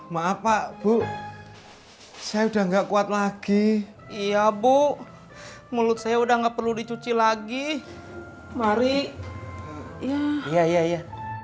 maaf pak bu saya udah gak kuat lagi iya bu mulut saya udah gak perlu dicuci lagi mari iya iya